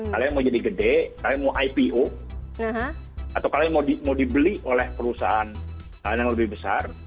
kalian mau jadi gede kalian mau ipo atau kalian mau dibeli oleh perusahaan lain yang lebih besar